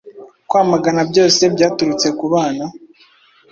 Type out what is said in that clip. kwamagana byose byaturutse kubana